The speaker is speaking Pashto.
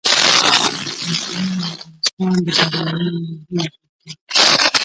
بزګان د افغانستان د بڼوالۍ یوه لویه برخه ده.